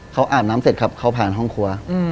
เขาอาบน้ำเสร็จครับเขาผ่านห้องครัว